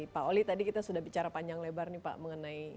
pak oli tadi kita sudah bicara panjang lebar nih pak mengenai